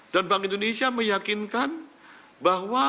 dan bank indonesia meyakinkan bahwa